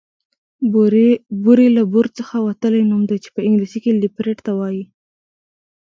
بوری له بور څخه وتلی نوم دی چې په انګليسي کې ليپرډ ته وايي